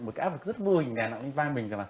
một cái ác vực rất vô hình đe nặng lên vai mình